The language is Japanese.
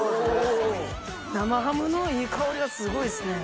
生ハムのいい香りがすごいっすね。